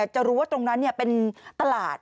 จะรู้ว่าตรงนั้นเป็นตลาด